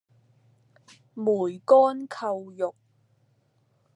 梅干扣肉